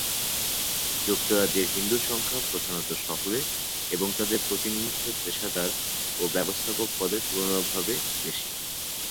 যুক্তরাজ্যের হিন্দু জনসংখ্যা প্রধানত শহুরে, এবং তাদের প্রতিনিধিত্ব পেশাদার ও ব্যবস্থাপক পদে তুলনামূলকভাবে বেশি।